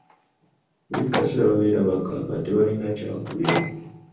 Buli kaseera babeera bakaaba tebalina kyakulya.